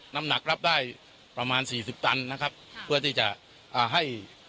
น้ำหนักรับได้ประมาณสี่สิบตันนะครับเพื่อที่จะอ่าให้